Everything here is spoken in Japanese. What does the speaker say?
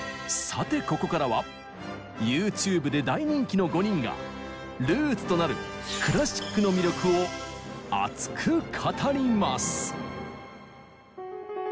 さてここからはＹｏｕＴｕｂｅで大人気の５人がルーツとなるクラシックの魅力を熱く語ります。